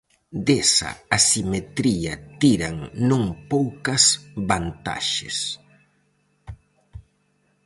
Desa asimetría tiran non poucas vantaxes.